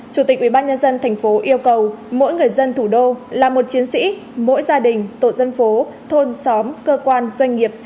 chủ tịch ubnd tp yêu cầu mỗi người dân thủ đô là một chiến sĩ mỗi gia đình tổ dân phố thôn xóm cơ quan doanh nghiệp